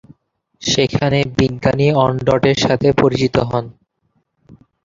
সেখানে বিজ্ঞানী ওনডট-এর সাথে পরিচিত হন।